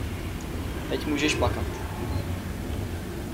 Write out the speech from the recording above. Teď můžeš plakat.